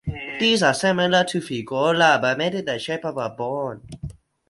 These are similar to figolla but made in the shape of a bone.